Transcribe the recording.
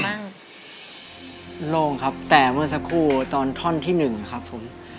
โล่งครับแต่เมื่อสักครู่ตอนท่อนที่หนึ่งครับผม